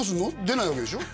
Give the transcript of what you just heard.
出ないわけでしょ？